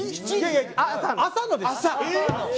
朝のですよ。